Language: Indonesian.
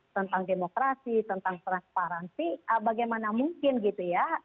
tentang demokrasi tentang transparansi bagaimana mungkin gitu ya